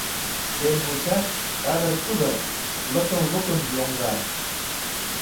Сем мучаш — кадыр-кудыр, Лыкын-лукын йоҥга.